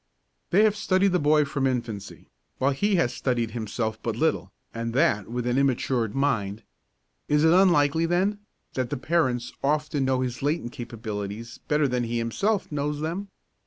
They have studied the boy from infancy, while he has studied himself but little, and that with an immatured mind. Is it unlikely, then, that the parents often know his latent capabilities better than he himself knows them?